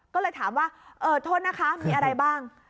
ก็เลยถามว่าเออโทษนะคะมีอะไรบ้าง